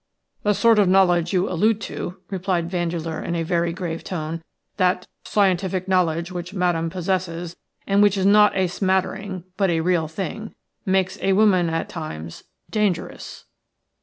"The sort of knowledge you allude to," replied Vandeleur, in a very grave tone, "that scientific knowledge which Madame possesses, and which is not a smattering, but a real thing, makes a woman at times – dangerous."